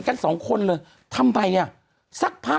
คุณหนุ่มกัญชัยได้เล่าใหญ่ใจความไปสักส่วนใหญ่แล้ว